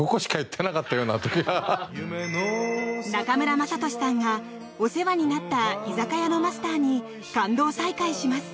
中村雅俊さんがお世話になった居酒屋のマスターに感動再会します。